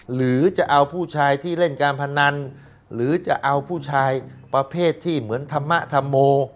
หรือจะเอาผู้ชายที่เล่นการพนันหรือจะเอาผู้ชายประเภทที่เหมือนธรรมธรรโม